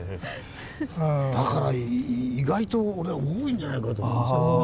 だから意外と多いんじゃないかと思うんですけどね。